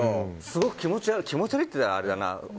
すごく気持ち悪いって言ったらあれだな。